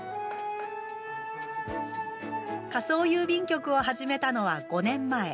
仮想郵便局を始めたのは５年前。